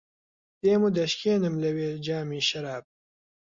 دێم و دەشکێنم لەوێ جامی شەراب